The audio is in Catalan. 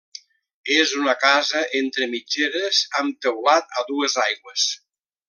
És una casa entre mitgeres amb teulat a dues aigües.